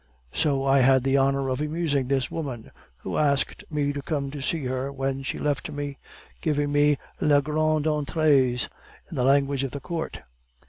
"So I had the honor of amusing this woman; who asked me to come to see her when she left me; giving me les grande entrees, in the language of the court.